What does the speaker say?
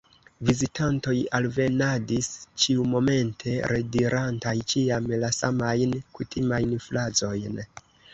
Vizitantoj alvenadis ĉiumomente, redirantaj ĉiam la samajn kutimajn frazojn.